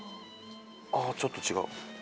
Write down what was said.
ああちょっと違う。